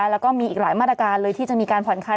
แล้วก็มีอีกหลายมาตรการเลยที่จะมีการผ่อนคลาย